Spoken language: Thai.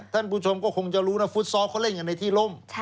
ท่านผู้ชมก็คงจะรู้นะฟุตซอลเขาเล่นกันในที่ร่ม